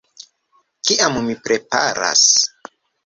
- Kiam mi preparas